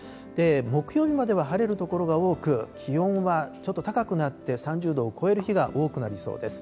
木曜日までは晴れる所が多く、気温はちょっと高くなって、３０度を超える日が多くなりそうです。